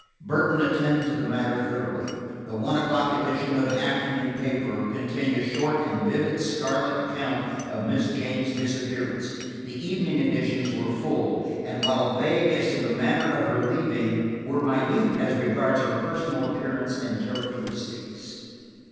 Burton attended to the matter thoroughly. The one o'clock edition of an afternoon paper contained a short and vivid scarlet account of Miss Jane's disappearance. The evening editions were full, and while vague as to the manner of her leaving, were minute as regarded her personal appearance and characteristics.